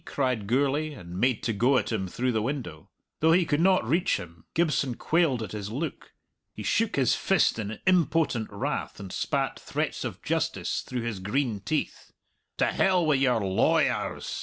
cried Gourlay, and made to go at him through the window. Though he could not reach him, Gibson quailed at his look. He shook his fist in impotent wrath, and spat threats of justice through his green teeth. "To hell wi' your law wers!"